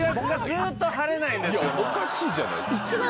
いやおかしいじゃない。